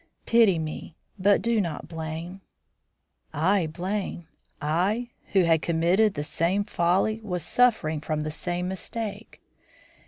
Pity me, but do not blame." I blame, I! who had committed the same folly, was suffering from the same mistake!